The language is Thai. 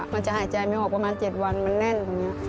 มันจะหายใจไม่ออกประมาณ๗วันมันแน่นตรงนี้